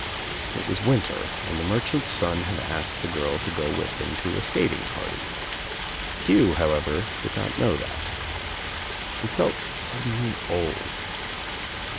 It was winter and the merchant's son had asked the girl to go with him to a skating party. Hugh, how ever, did not know that. He felt suddenly old.